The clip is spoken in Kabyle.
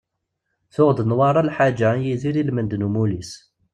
Tuɣ-d Newwara lḥaǧa i Yidir ilmend n umulli-s.